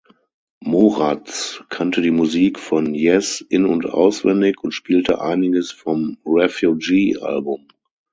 Moraz kannte die Musik von Yes in- und auswendig und spielte einiges vom Refugee-Album.